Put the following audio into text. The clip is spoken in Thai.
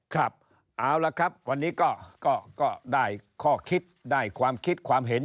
ครับเอาละครับวันนี้ก็ได้ข้อคิดได้ความคิดความเห็น